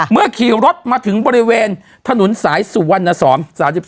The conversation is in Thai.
ขี่รถมาถึงบริเวณถนนสายสุวรรณสอน๓๒